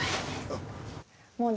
あっ！